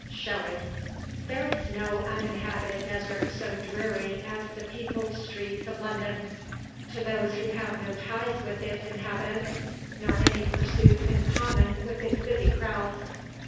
Shelley. Thebe is no uninhabited desart so dreary as the peopled streets of London, to those who have no ties with its inhabitants, nor any pur suits in common with its busy crowds.